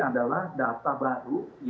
adalah data baru